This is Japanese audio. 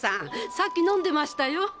さっき飲んでましたよ。